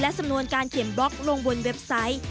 สำนวนการเขียนบล็อกลงบนเว็บไซต์